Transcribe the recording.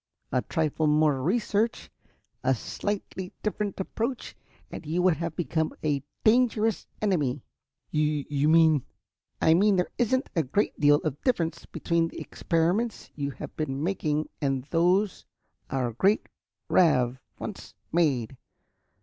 A trifle more research, a slightly different application and you would have become a dangerous enemy." "You you mean ?" "I mean there isn't a great deal of difference between the experiments you have been making and those our great Ravv once made.